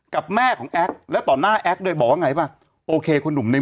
กับแม่ของแอ๊กแล้วต่อหน้าแอ๊กโดยบอกว่าไงป่ะโอเคคุณหนุ่มใน